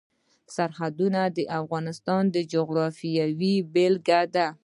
سرحدونه د افغانستان د جغرافیې بېلګه ده.